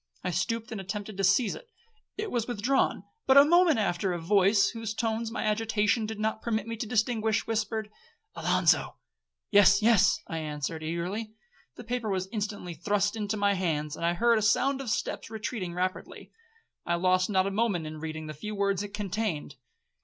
I stooped and attempted to seize it. It was withdrawn: but a moment after a voice, whose tones my agitation did not permit me to distinguish, whispered, 'Alonzo.'—'Yes,—yes,' I answered eagerly. The paper was instantly thrust into my hands, and I heard a sound of steps retreating rapidly. I lost not a moment in reading the few words it contained.